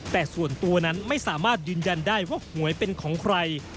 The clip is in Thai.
แต่ส่วนตัวนั้นไม่สามารถยืนยันได้ว่าหวยเป็นของใคร